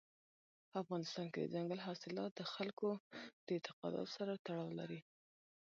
په افغانستان کې دځنګل حاصلات د خلکو د اعتقاداتو سره تړاو لري.